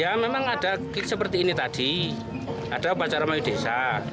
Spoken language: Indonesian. ya memang ada seperti ini tadi ada upacara mayu desa